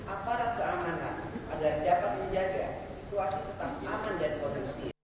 aparat keamanan agar dapat menjaga situasi tetap aman dan kondusif